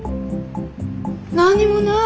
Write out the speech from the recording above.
何にもない！